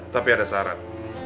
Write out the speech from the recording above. tapi ada syarat